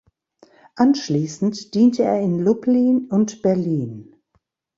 Anschließend diente er in Lublin und Berlin.